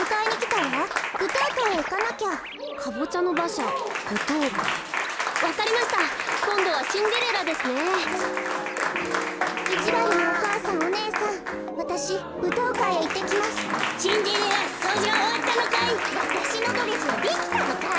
わたしのドレスはできたのかい？